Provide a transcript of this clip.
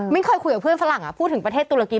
เคยคุยกับเพื่อนฝรั่งพูดถึงประเทศตุรกี